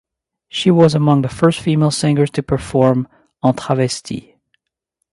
She was among the first female singers to perform "en travesti".